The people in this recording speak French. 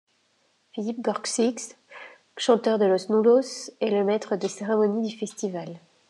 Philippe Gorszczyk chanteur de Los Nullos, est le maître de cérémonie du festival.